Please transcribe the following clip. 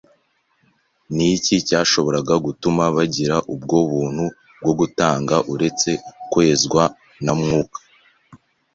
Ni iki cyashoboraga gutuma bagira ubwo buntu bwo gutanga uretse kwezwa na Mwuka?